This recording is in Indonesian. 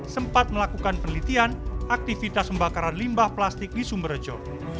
sempat melakukan penelitian aktivitas pembakaran limbah plastik di sumberjo